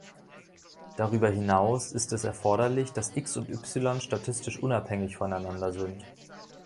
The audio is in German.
Darüber hinaus ist es erforderlich, dass „X“ und „Y“ statistisch unabhängig voneinander sind.